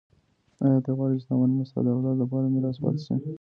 ایا ته غواړې چي ستا مننه ستا د اولاد لپاره میراث پاته سي؟